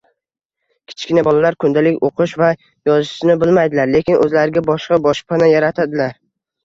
Kichkina bolalar kundalik o‘qish va yozishni bilmaydilar, lekin o‘zlariga boshqa boshpana yaratadilar.